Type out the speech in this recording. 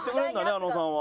あのさんは。